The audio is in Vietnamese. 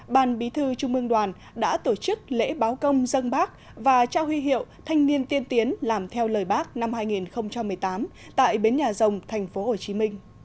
ban bí thư trung ương đoàn đã tổ chức lễ báo công dân bác và trao huy hiệu thanh niên tiên tiến làm theo lời bác năm hai nghìn một mươi tám tại bến nhà rồng tp hcm